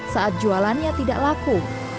saat jualannya tidak laku